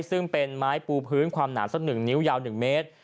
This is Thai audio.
ซึ่งเป็นไม้ปูพื้นความหนาสัก๑นิ้วยาว๑เมตร